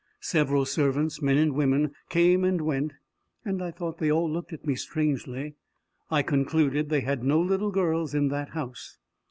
Several servants, men and women, came and went, and I thought they all looked at me strangely. I concluded they had no little girls in that house.